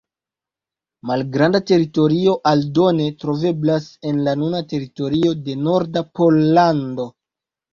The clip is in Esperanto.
Malgranda teritorio aldone troveblas en la nuna teritorio de norda Pollando.